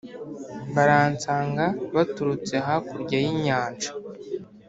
baransanga baturutse hakurya y'inyanja